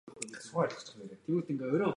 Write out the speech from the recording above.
Их сайхан мэдээ тийм үү?